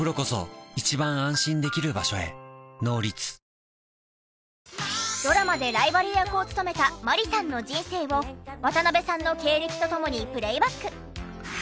すこやかさつづけ薬用養命酒ドラマでライバル役を務めた万里さんの人生を渡辺さんの経歴とともにプレイバック。